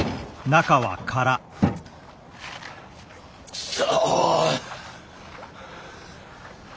くそ。